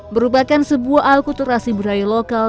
berubahkan sebuah alkuturasi berlaya lokal